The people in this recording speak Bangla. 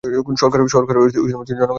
ক. সরকার ও জনগণের মধ্যে সম্পর্ক